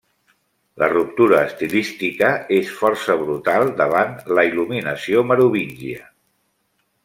La ruptura estilística és força brutal davant la il·luminació merovíngia.